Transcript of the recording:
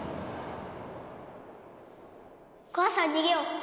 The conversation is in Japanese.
お母さん逃げよう。